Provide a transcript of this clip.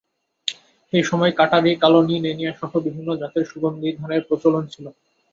সেই সময় কাটারী, কালনী, নেনিয়াসহ বিভিন্ন জাতের সুগন্ধি ধানের প্রচলন ছিল।